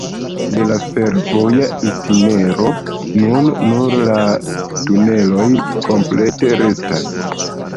De la fervoja itinero nun nur la tuneloj komplete restas.